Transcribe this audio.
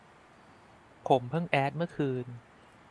ผมเพิ่งแอดเมื่อคืน